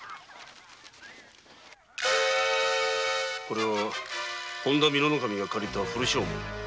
これは本多美濃守が借りた古証文。